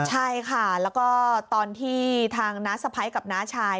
ใช่ค่ะแล้วก็ตอนที่ทางน้าสะพ้ายกับน้าชาย